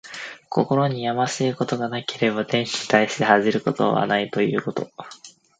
心にやましいことがなければ、天に対して恥じることはないということ。